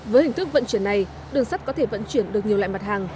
với hình thức vận chuyển này đường sắt có thể vận chuyển được nhiều loại mặt hàng